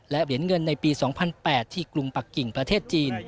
และเหรียญเงินในปี๒๐๐๘ที่กรุงปักกิ่งประเทศจีน